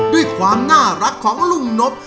ด้วยความน่ารักของลุงนบ